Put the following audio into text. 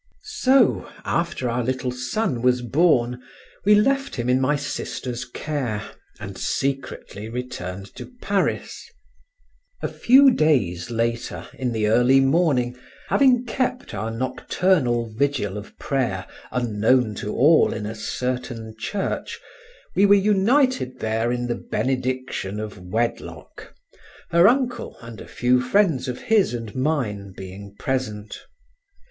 So, after our little son was born, we left him in my sister's care, and secretly returned to Paris. A few days later, in the early morning, having kept our nocturnal vigil of prayer unknown to all in a certain church, we were united there in the benediction of wedlock, her uncle and a few friends of his and mine being present.